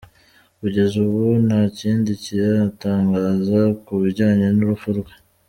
Kugeza ubu, nta kindi kiratangazwa ku bijyanye n’urupfu rwe.